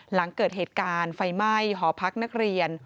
หลังเกิดเหตุการณ์ไฟไหม้หอพักนักเรียน